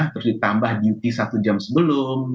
terus ditambah junti satu jam sebelum